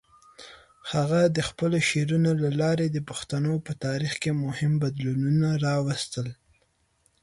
هغه د خپلو شعرونو له لارې د پښتنو په تاریخ کې مهم بدلونونه راوستل.